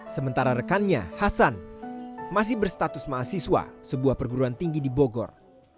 sementara rekannya hasan masih berstatus mahasiswa sebuah perguruan tinggi di bogor